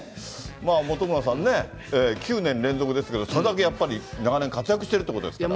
本村さんね、９年連続ですけど、さすがにやっぱり長年、活躍してるってことですから。